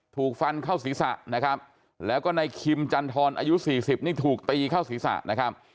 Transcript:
ถูกฟันเข้าศีรษะนะครับแล้วก็ในคิมจันทรอายุสี่สิบนี่ถูกตีเข้าศีรษะนะครับ